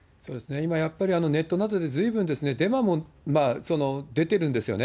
今、やっぱりネットなどで、ずいぶんデマも出てるんですよね。